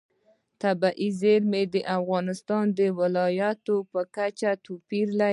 طبیعي زیرمې د افغانستان د ولایاتو په کچه توپیر لري.